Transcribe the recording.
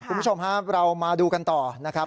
คุณผู้ชมครับเรามาดูกันต่อนะครับ